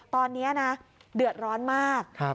ตอนนี้นะเดือดร้อนมาก